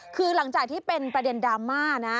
คือหลังจากที่เป็นประเด็นดราม่านะ